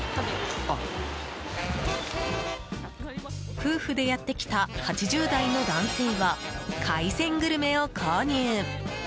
夫婦でやってきた８０代の男性は海鮮グルメを購入。